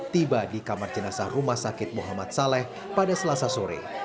tiba di kamar jenazah rumah sakit muhammad saleh pada selasa sore